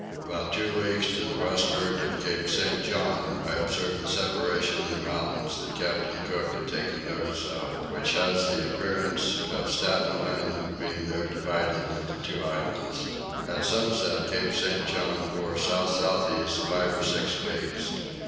About two leagues to the westward of Cape St. John I observed the separation of the mountains that Captain Cook has taken notice of, which has the appearance of Staten Land being there divided into two islands. At sunset Cape St. John bore south south east five or six leagues.